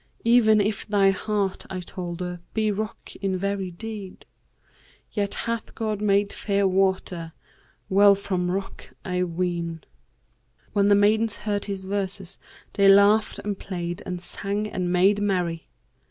'Even if thy heart,' I told her, 'be rock in very deed, * Yet hath God made fair water well from the rock, I ween.'[FN#547] When the maidens heard his verses, they laughed and played and sang and made merry.